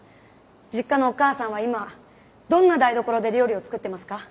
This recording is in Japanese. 実家のお母さんは今どんな台所で料理を作ってますか？